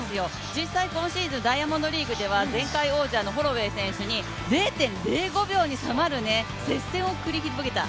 実際今シーズンダイヤモンドリーグでは前回王者のホロウェイ選手に０．０５秒に迫る接戦を繰り広げた。